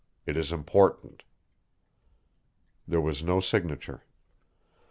It is important." There was no signature.